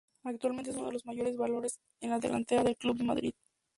Actualmente es uno de los mayores valores en la delantera del club de Madrid.